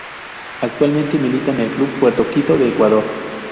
Actualmente milita en el club Puerto Quito de Ecuador.